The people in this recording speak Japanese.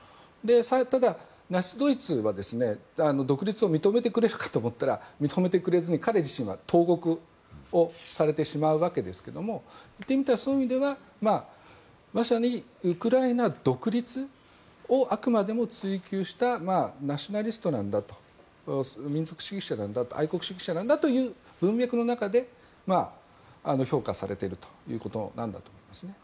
ただ、ナチスドイツは独立を認めてくれるかと思ったら認めてくれずに、彼自身は投獄をされてしまうわけですが言ってみたら、そういう意味ではまさにウクライナ独立をあくまでも追求したナショナリストなんだと民族主義者愛国主義者なんだという文脈の中で評価されているということなんだと思います。